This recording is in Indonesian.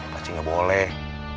pasti nggak boleh